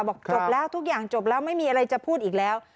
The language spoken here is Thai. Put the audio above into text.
บอกจบแล้วทุกอย่างจบแล้วไม่มีอะไรจะพูดอีกแล้ว